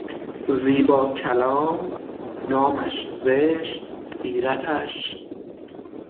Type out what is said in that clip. زیبا کلام نامش زشت سیرتش